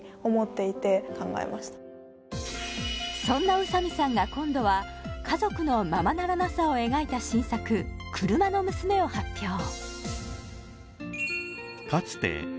そんな宇佐見さんが今度は家族のままならなさを描いた新作「くるまの娘」を発表